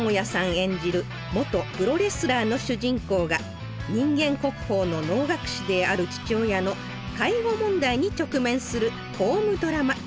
演じる元プロレスラーの主人公が人間国宝の能楽師である父親の介護問題に直面するホームドラマ。